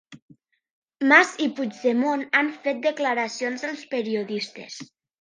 Mas i Puigdemont han fet declaracions als periodistes.